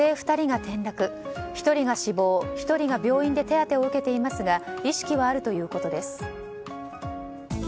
１人が死亡、１人が病院で手当てを受けていますが意識はあるということです。